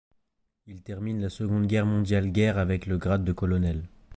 Il termine la Seconde Guerre mondiale guerre avec le grade de colonel.